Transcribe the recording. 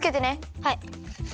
はい。